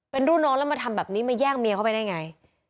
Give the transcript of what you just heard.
เป็นรุ่นน้องแล้วมาทำแบบนี้มาแย่งเมียเข้าไปได้ไง